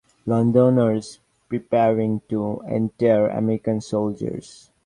Londoners Preparing to Entertain American Soldiers.